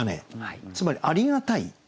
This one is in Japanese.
つまりありがたい。